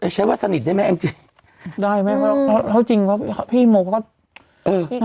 ใช้ว่าสนิทได้ไหมได้ไหมเท่าจริงเพราะพี่โมก็